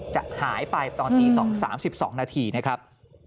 จะหายไปตอนตี๒๓๒นาทีนะครับ